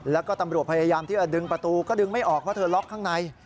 แล้วก็ตำรวจพยายามที่จะดึงประตูก็ดึงไม่ออกเพราะเธอล็อกข้างใน